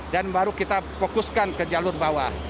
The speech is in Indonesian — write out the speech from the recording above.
dan baru kita fokuskan ke jalur bawah